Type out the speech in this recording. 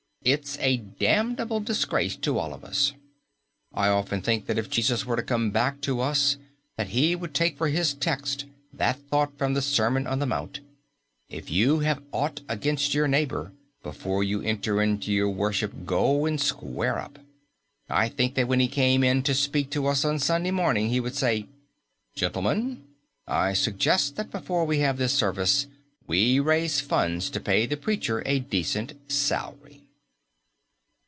It's a damnable disgrace to all of us. I often think that if Jesus were to come back to us, that He would take for His text that thought from the Sermon on the Mount, "If you have aught against your neighbour, before you enter into your worship go and square up." I think that when He came in to speak to us on Sunday morning, He would say: "Gentlemen, I suggest that before we have this service, we raise funds to pay the preacher a decent salary."